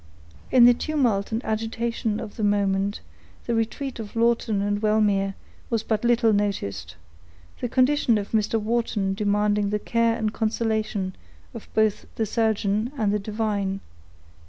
In the tumult and agitation of the moment, the retreat of Lawton and Wellmere was but little noticed; the condition of Mr. Wharton demanding the care and consolation of both the surgeon and the divine.